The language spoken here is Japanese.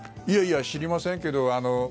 いやいや、知りませんけど。